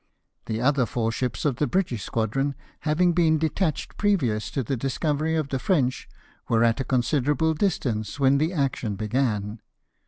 The other four ships of the British squadron, having been detached previous to the discovery of the French, were at a considerable distance when the action began.